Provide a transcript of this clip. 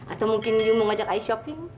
atau mungkin lu mau ngajak aku shopping